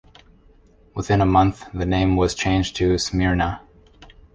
Within a month, the name was changed to "Smyrna".